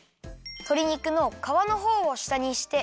とり肉のかわのほうをしたにして。